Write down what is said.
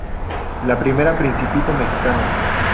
La primera Principito mexicano.